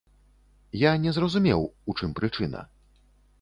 Я не зразумеў, у чым прычына.